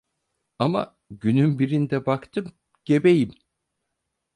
Ama günün birinde baktım gebeyim.